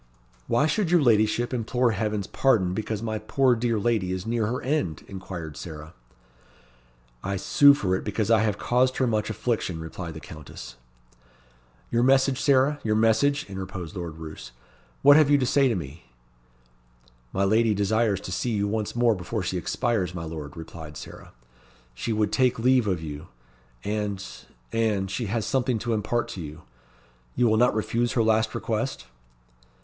"Why should your ladyship implore Heaven's pardon because my poor dear lady is near her end?" inquired Sarah. "I sue for it because I have caused her much affliction," replied the Countess. "Your message, Sarah your message?" interposed Lord Roos. "What have you to say to me?" "My lady desires to see you once more before she expires, my lord," replied Sarah. "She would take leave of you; and and she has something to impart to you. You will not refuse her last request?"